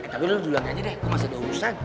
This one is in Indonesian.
tapi lo duluan aja deh kok masih dua usan